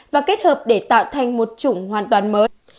và kết hợp để tạo thành một chủng hoàn toàn mới